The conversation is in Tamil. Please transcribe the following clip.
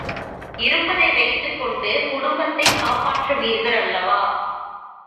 இருப்பதை வைத்துக் கொண்டு குடும்பத்தைக் காப்பாற்றுவீர்கள் அல்லவா?